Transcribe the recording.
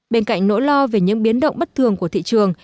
bên cạnh nỗi lo về những biến động bất thường của thị trường